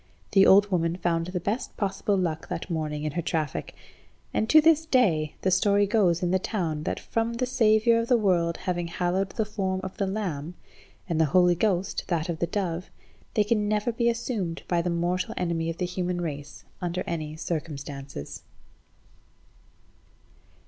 The old woman found the best possible luck that morning in her traffic. And to this day the story goes in the town, that from the Saviour of the world having hallowed the form of the lamb, and the Holy Ghost that of the dove, they can never be assumed by the mortal enemy of the human race under any circumstances.